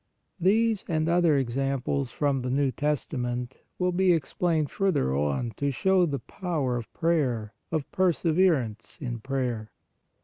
These and other examples from the New Testament will be ex plained further on to show the power of prayer, of perseverance in prayer.